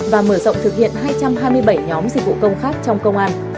và mở rộng thực hiện hai trăm hai mươi bảy nhóm dịch vụ công khác trong công an